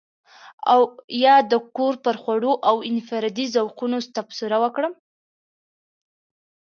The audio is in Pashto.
او يا د کور پر خوړو او انفرادي ذوقونو تبصره وکړم.